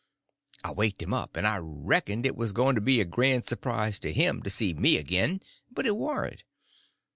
I waked him up, and I reckoned it was going to be a grand surprise to him to see me again, but it warn't.